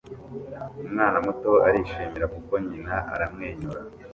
Umwana muto arishima kuko nyina aramwenyura